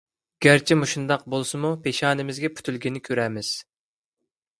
گەرچە مۇشۇنداق بولسىمۇ، پېشانىمىزگە پۈتۈلگىنىنى كۆرەرمىز.